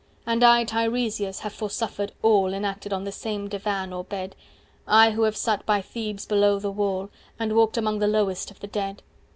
(And I Tiresias have foresuffered all Enacted on this same divan or bed; I who have sat by Thebes below the wall 245 And walked among the lowest of the dead.)